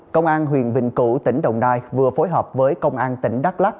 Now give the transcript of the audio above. công an huyền bình cụ tỉnh đồng nai vừa phối hợp với công an tỉnh đắk lắc